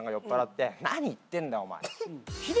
「何言ってんだお前」